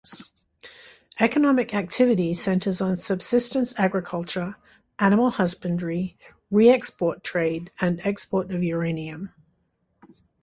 Economic activity centres on subsistence agriculture, animal husbandry, re-export trade, and export of uranium.